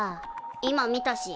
今見たし。